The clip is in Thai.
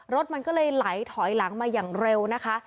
รถมันก็เลยไหลถอยหลังมาอย่างเร็วนะคะ